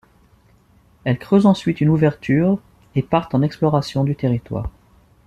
Elles creusent ensuite une ouverture et partent en exploration du territoire.